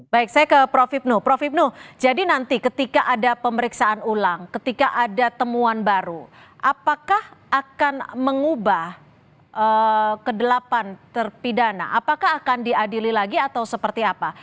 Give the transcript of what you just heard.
baik saya ke prof ibnu prof ibnu jadi nanti ketika ada pemeriksaan ulang ketika ada temuan baru apakah akan mengubah ke delapan terpidana apakah akan diadili lagi atau seperti apa